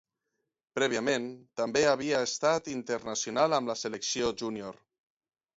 Prèviament, també havia estat internacional amb la selecció júnior.